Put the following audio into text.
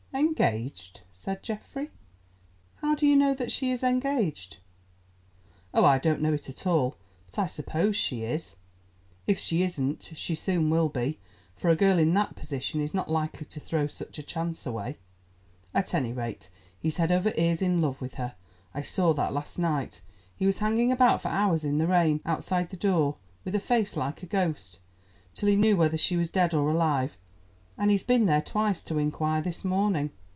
"Engaged," said Geoffrey, "how do you know that she is engaged?" "Oh, I don't know it at all, but I suppose she is. If she isn't, she soon will be, for a girl in that position is not likely to throw such a chance away. At any rate, he's head over ears in love with her. I saw that last night. He was hanging about for hours in the rain, outside the door, with a face like a ghost, till he knew whether she was dead or alive, and he has been there twice to inquire this morning.